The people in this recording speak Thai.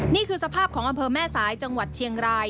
นี่คือสภาพของอำเภอแม่สายจังหวัดเชียงราย